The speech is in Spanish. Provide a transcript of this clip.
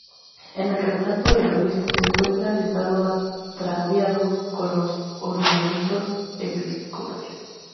En el retrato, el obispo, se encuentra sentado, ataviado con los ornamentos episcopales.